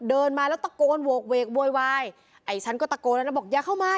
เดินมาแล้วตะโกนโหกเวกโวยวายไอ้ฉันก็ตะโกนแล้วนะบอกอย่าเข้ามา